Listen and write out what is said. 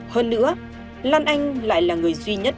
hơn nữa lan anh lại là người duy nhất